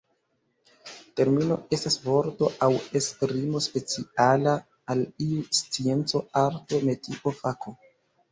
Termino estas vorto aŭ esprimo speciala al iu scienco, arto, metio, fako.